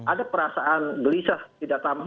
ada perasaan gelisah tidak tampak